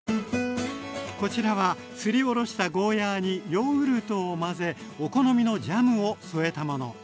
こちらはすりおろしたゴーヤーにヨーグルトを混ぜお好みのジャムを添えたもの。